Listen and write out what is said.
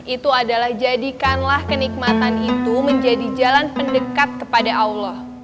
itu adalah jadikanlah kenikmatan itu menjadi jalan pendekat kepada allah